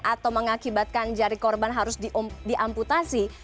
atau mengakibatkan jari korban harus diamputasi